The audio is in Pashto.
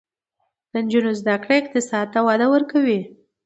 د نجونو زده کړه اقتصاد ته وده ورکوي.